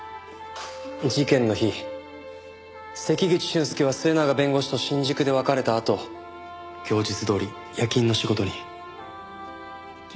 事件の日関口俊介は末永弁護士と新宿で別れたあと供述どおり夜勤の仕事に。